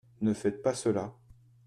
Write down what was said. Ne faites pas cela !